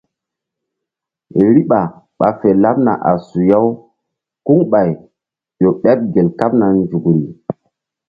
Riɓa ɓa fe laɓna a suya-u kuŋɓay ƴo ɓeɓ gel kaɓna nzukri.